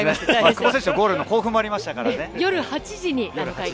久保選手のゴールの興奮もありましたからね。